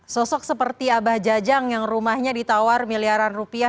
sosok seperti abah jajang yang rumahnya ditawar miliaran rupiah